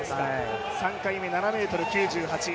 ３回目、７ｍ９８。